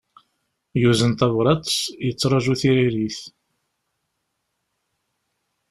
Yuzen tabrat, yettraju tiririt.